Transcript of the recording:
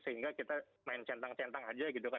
sehingga kita main centang centang aja gitu kan